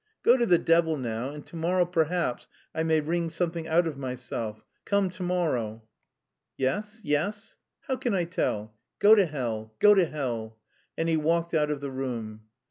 "Go to the devil now, and to morrow perhaps I may wring something out of myself. Come to morrow." "Yes? Yes?" "How can I tell?... Go to hell. Go to hell." And he walked out of the room.